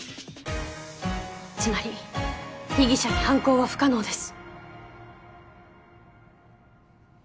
つまり被疑者に犯行は不可能です。